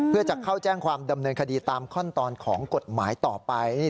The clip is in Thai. เพื่อจะเข้าแจ้งความดำเนินคดีตามขั้นตอนของกฎหมายต่อไป